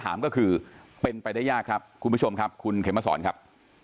ถามก็คือเป็นไปได้ยากครับคุณผู้ชมครับคุณเขมสอนครับ